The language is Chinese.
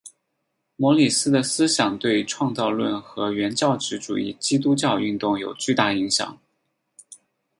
摩里斯的思想对创造论和原教旨主义基督教运动有巨大影响。